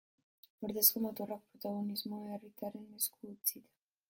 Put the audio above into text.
Ordezko motorrak, protagonismoa herritarren esku utzita.